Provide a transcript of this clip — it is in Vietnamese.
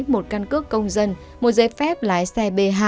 một căn cước công dân một giấy phép lái xe b hai